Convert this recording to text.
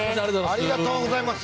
ありがとうございます。